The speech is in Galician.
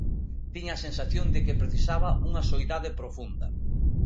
Tiña a sensación de que precisaba unha soidade profunda.